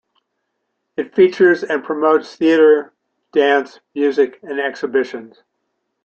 It features and promotes theatre, dance, music and exhibitions.